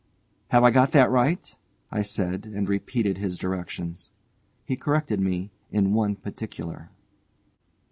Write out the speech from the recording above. "Have I got that right?" I said, and repeated his directions. He corrected me in one particular.